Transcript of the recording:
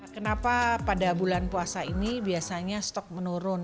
kenapa pada bulan puasa ini biasanya stok menurun